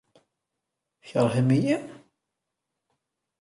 Tkeṛhem-iyi?